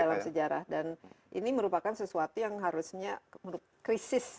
dalam sejarah dan ini merupakan sesuatu yang harusnya menurut krisis